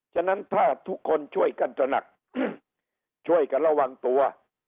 ฉะนั้นถ้าทุกคนช่วยกันตระหนักช่วยกันระวังตัว